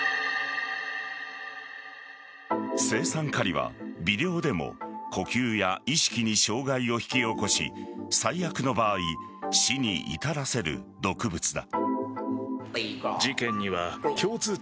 青酸カリは微量でも呼吸や意識に障害を引き起こし最悪の場合死に至らせる毒物だ。